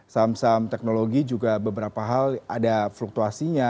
saham saham teknologi juga beberapa hal ada fluktuasinya